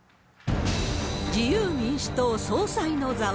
自由民主党総裁の座は。